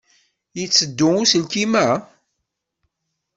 Yetteddu uselkim-a?